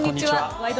「ワイド！